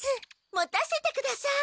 持たせてください。